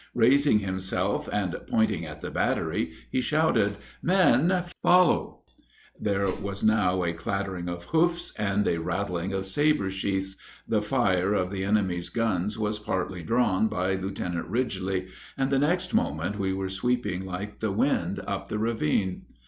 Raising himself and pointing at the battery, he shouted, 'Men, follow!' There was now a clattering of hoofs and a rattling of sabre sheaths the fire of the enemy's guns was partly drawn by Lieutenant Ridgely, and the next moment we were sweeping like the wind up the ravine.